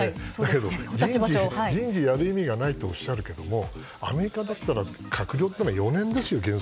人事をやる意味がないとおっしゃるけどもアメリカだったら閣僚は原則４年ですよ。